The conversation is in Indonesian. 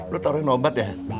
lo taruhin obat ya